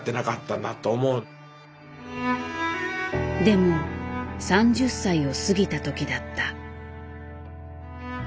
でも３０歳を過ぎた時だった。